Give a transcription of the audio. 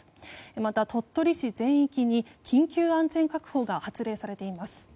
また鳥取市全域に緊急安全確保が発令されています。